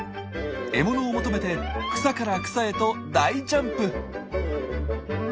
獲物を求めて草から草へと大ジャンプ！